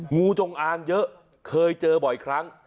งูจงอางเยอะเคยเจอบ่อยครั้ง